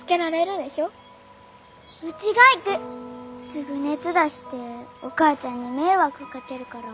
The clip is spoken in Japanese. すぐ熱出してお母ちゃんに迷惑かけるから。